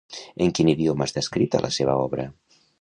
En quin idioma està escrita la seva obra?